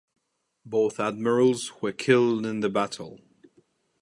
Both admirals were killed in the battle.